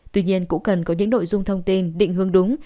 tuy nhiên cũng cần có những nội dung thông tin định hướng đúng